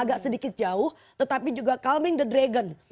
agak sedikit jauh tetapi juga kalmin the dragon